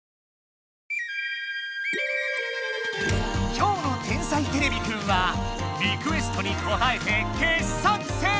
きょうの「天才てれびくん」はリクエストにこたえて傑作選！